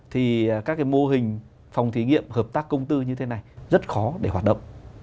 thì các mô hình phòng thí nghiệm hợp tác công tư như thế này rất khó để hoạt động